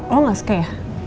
lo gak suka ya